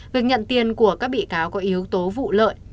việc nhận tiền của các bị cáo có yếu tố vụ lợi